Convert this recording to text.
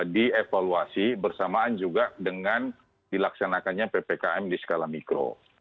dievaluasi bersamaan juga dengan dilaksanakannya ppkm di skala mikro